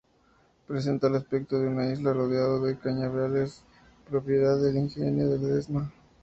Presenta el aspecto de una isla rodeado de cañaverales propiedad del Ingenio Ledesma.